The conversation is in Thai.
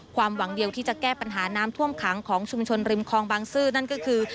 ความหวังเดียวที่จะแก้ปัญหาน้ำท่วมขังของชุมชนริมคลองบางซื่อนั่นก็คือ